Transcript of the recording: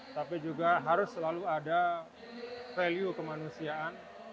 tapi juga harus selalu ada value kemanusiaan